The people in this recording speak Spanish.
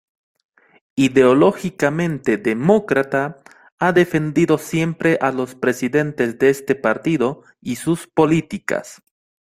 Ideológicamente demócrata, ha defendido siempre a los presidentes de este partido y sus políticas.